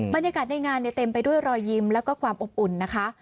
บรรยากาศในงานเต็มไปด้วยรอยยิ้มแล้วก็ความอบอุ่นนะคะ